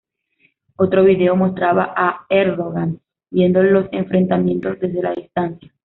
Otro video mostraba a Erdoğan viendo los enfrentamientos desde la distancia.